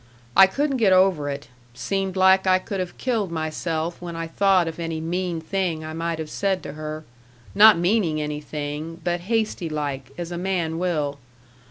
I couldn't get over it; seemed like I could have killed myself when I thought of any mean thing I might have said to her not meaning anything, but hasty like, as a man will.